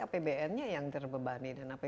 apbn nya yang terbebani dan apbd nya yang terbebani